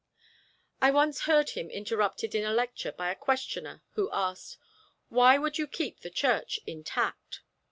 I once heard him interrupted in a lecture by a questioner who asked, "Why would you keep the Church intact?"